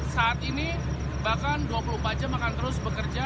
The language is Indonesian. saat ini bahkan dua puluh empat jam akan terus bekerja